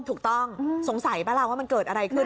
ถูกต้องสงสัยป่ะล่ะว่ามันเกิดอะไรขึ้น